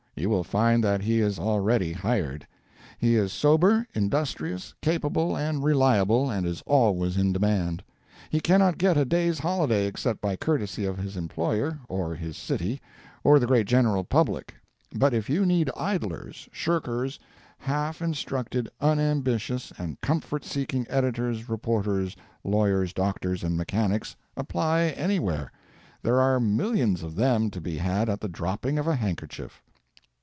You will find that he is already hired. He is sober, industrious, capable, and reliable, and is always in demand. He cannot get a day's holiday except by courtesy of his employer, or his city, or the great general public. But if you need idlers, shirkers, half instructed, unambitious, and comfort seeking editors, reporters, lawyers, doctors, and mechanics, apply anywhere. There are millions of them to be had at the dropping of a handkerchief.